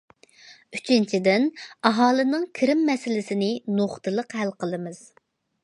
ئۈچىنچىدىن، ئاھالىنىڭ كىرىم مەسىلىسىنى نۇقتىلىق ھەل قىلىمىز.